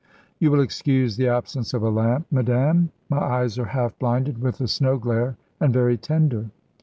"You will excuse the absence of a lamp, madame. My eyes are half blinded with the snow glare, and very tender."